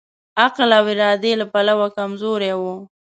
عقل او ارادې له پلوه کمزوری وو.